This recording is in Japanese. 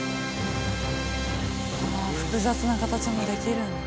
わあ複雑な形もできるんだ。